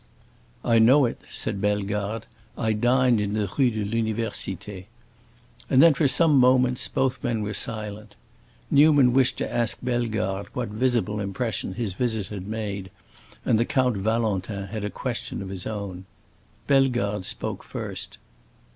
"I know it," said Bellegarde. "I dined in the Rue de l'Université." And then, for some moments, both men were silent. Newman wished to ask Bellegarde what visible impression his visit had made and the Count Valentin had a question of his own. Bellegarde spoke first.